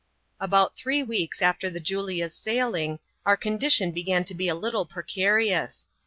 About three weeks after the Julia's sailing, our condition ' hegsn to be a little precarious.